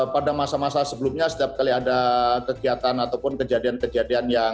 pada masa masa sebelumnya setiap kali ada kegiatan ataupun kejadian kejadian yang